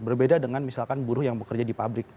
berbeda dengan misalkan buruh yang bekerja di pabrik